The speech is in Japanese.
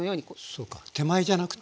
そうか手前じゃなくて。